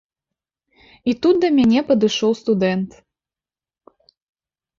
І тут да мяне падышоў студэнт.